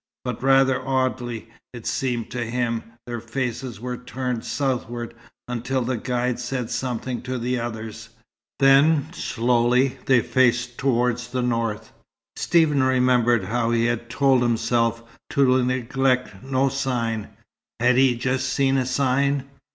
But rather oddly, it seemed to him, their faces were turned southward, until the guide said something to the others. Then, slowly, they faced towards the north. Stephen remembered how he had told himself to neglect no sign. Had he just seen a sign?